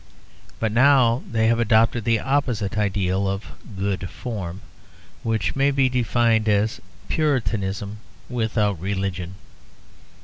But now they have adopted the opposite ideal of 'good form,' which may be defined as Puritanism without religion.